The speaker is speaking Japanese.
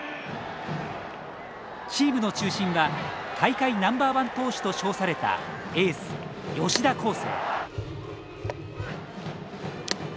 チームの中心は大会ナンバーワン投手と称されたエース吉田輝星。